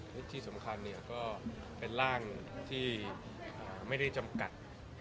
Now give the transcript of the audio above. และที่สำคัญก็เป็นร่างที่ไม่ได้จำกัด